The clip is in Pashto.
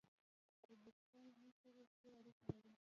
ازبکستان زموږ سره ښې اړیکي لري.